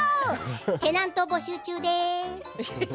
テナント募集中です。